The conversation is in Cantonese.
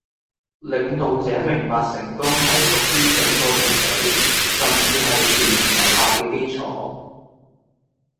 領導者明白成功係屬於整個團隊、甚至係前人留下嘅基礎。